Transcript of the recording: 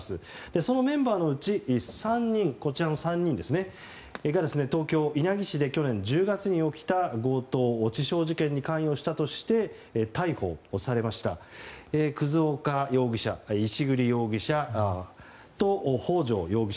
そのメンバーのうち３人が東京・稲城市で去年１０月に起きた強盗致傷事件に関与したとして逮捕されました葛岡容疑者石栗容疑者と北条容疑者